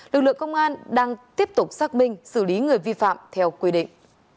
lực lượng công an đang tiếp tục xác minh xử lý người vi phạm theo quy định